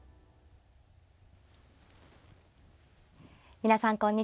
皆さんこんにちは。